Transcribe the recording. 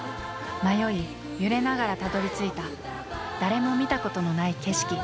迷い揺れながらたどりついた誰も見たことのない景色。